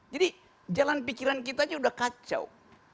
jadi jalan pikiran kita sudah kacau